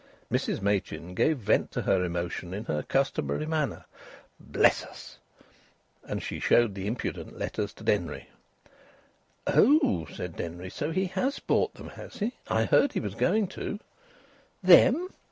Mrs Machin gave vent to her emotion in her customary manner: "Bless us!" And she showed the impudent letters to Denry. "Oh!" said Denry. "So he has bought them, has he? I heard he was going to." "Them?"